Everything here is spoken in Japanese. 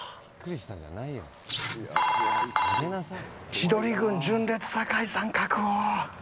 千鳥軍、純烈・酒井さん確保。